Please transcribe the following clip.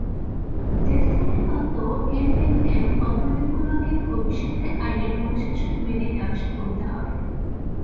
ডেসটিনির মতো এমএলএম কোম্পানিগুলোকে ভবিষ্যতে আইনের অনুশাসন মেনেই ব্যবসা করতে হবে।